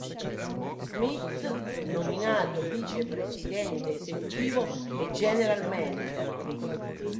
Smith, nominato vicepresidente esecutivo e general manager.